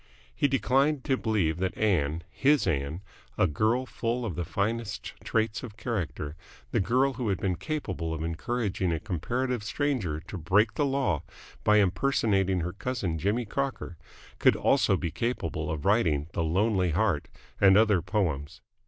He declined to believe that Ann, his Ann, a girl full of the finest traits of character, the girl who had been capable of encouraging a comparative stranger to break the law by impersonating her cousin Jimmy Crocker, could also be capable of writing The Lonely Heart and other poems.